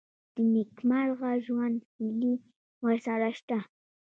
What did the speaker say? د نېکمرغه ژوند هیلې ورسره شته.